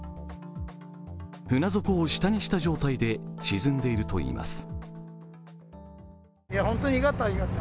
船底を下にした状態で沈んでいるといいます。